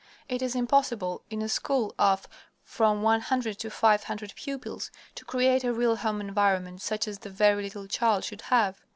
It is impossible, in a school of from one hundred to five hundred pupils, to create a real home environment, such as the very little child should have.